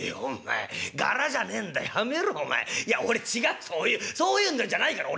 や俺違そういうそういうのじゃないから俺。